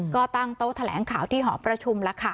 ก็ตั้งโต๊ะแถลงข่าวที่หอประชุมแล้วค่ะ